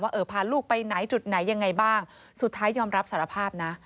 เออพาลูกไปไหนจุดไหนยังไงบ้างสุดท้ายยอมรับสารภาพนะ